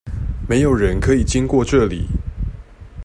沒有人可以經過這裡！